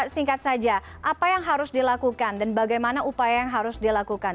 singkat saja apa yang harus dilakukan dan bagaimana upaya yang harus dilakukan